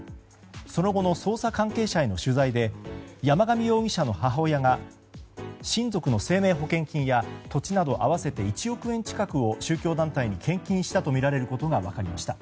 その後の捜査関係者への取材で山上容疑者の母親が親族の生命保険金や土地など合わせて１億円近くを宗教団体に献金したとみられることが分かりました。